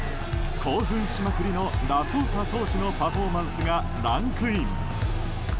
興奮しまくりのラソーサ投手のパフォーマンスがランクイン。